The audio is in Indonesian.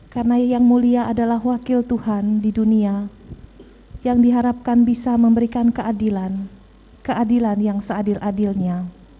karena yang mulia adalah wakil tuhan di dunia yang diharapkan bisa memberikan keadilan keadilan yang seadil adilnya